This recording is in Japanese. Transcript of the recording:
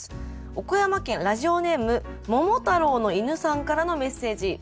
岡山県ラジオネーム桃太郎の犬さんからのメッセージ。